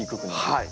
はい。